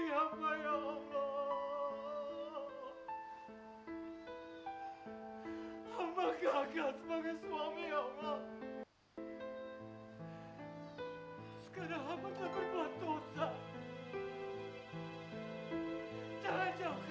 jangan jauhkan amat darimu ya allah